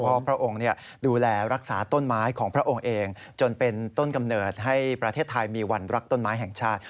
เพราะพระองค์ดูแลรักษาต้นไม้ของพระองค์เองจนเป็นต้นกำเนิดให้ประเทศไทยมีวันรักต้นไม้แห่งชาติ